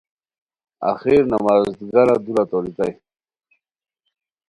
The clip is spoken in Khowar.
آخر نماز دیگرہ دُورہ توریتائے